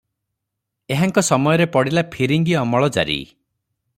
ଏହାଙ୍କ ସମୟରେ ପଡ଼ିଲା ଫିରିଙ୍ଗୀ ଅମଳ ଜାରି ।